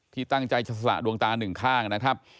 ที่ตั้งใจจะสละดวงตาหนึ่งข้างนะครับ